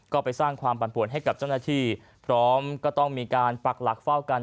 ก็ไปสร้างความปั่นป่วนให้กับเจ้าหน้าที่พร้อมก็ต้องมีการปักหลักเฝ้ากัน